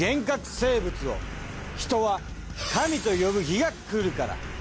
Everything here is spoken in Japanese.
生物を人は神と呼ぶ日がくるから。